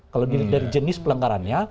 kalau dari jenis pelenggarannya